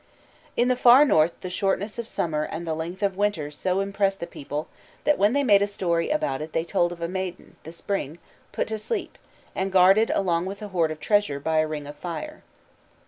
In the far north the shortness of summer and the length of winter so impressed the people that when they made a story about it they told of a maiden, the Spring, put to sleep, and guarded, along with a hoard of treasure, by a ring of fire.